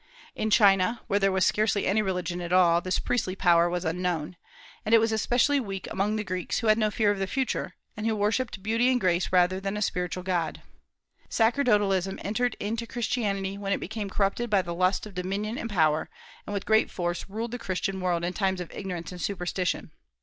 In China, where there was scarcely any religion at all, this priestly power was unknown; and it was especially weak among the Greeks, who had no fear of the future, and who worshipped beauty and grace rather than a spiritual god. Sacerdotalism entered into Christianity when it became corrupted by the lust of dominion and power, and with great force ruled the Christian world in times of ignorance and superstition.